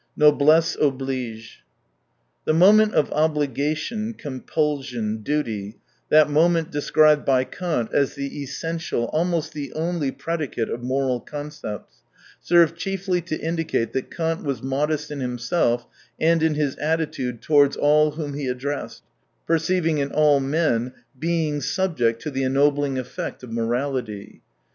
Noblesse Oblige. — The moment of obliga tion, compulsion, duty, that moment described by Kant as the essential, almost the only predicate of moral concepts, serves chiefly to indicate that Kant was modest in himself and in his attitude towards all whom he addressed, perceiving in all men beings subject to the ennobling effect of 51 morality.